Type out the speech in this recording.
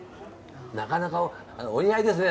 なかなか「お似合いですね」